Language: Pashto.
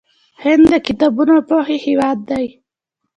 هند د کتابونو او پوهې هیواد دی.